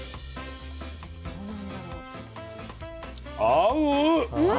合う！